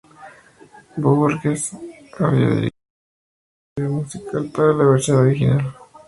Bohórquez había dirigido previamente el video musical para la versión original.